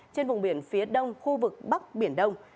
trên vùng biển phía đông khu vực bắc biển đông